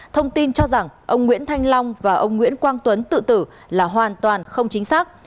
thông tin cho rằng ông nguyễn thanh long và ông nguyễn quang tuấn tự tử là hoàn toàn không chính xác